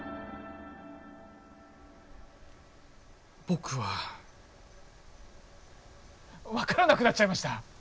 僕は分からなくなっちゃいました！